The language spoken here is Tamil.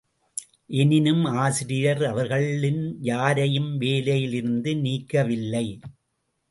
எனினும் ஆசிரியர் அவர்களின் யாரையும் வேலையில் இருந்து நீக்கவில்லை.